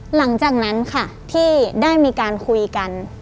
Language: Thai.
หลังจากนั้นค่ะที่ได้มีการคุยกัน